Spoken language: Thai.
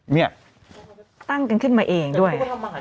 เนี่ยตั้งกันขึ้นมาเองด้วย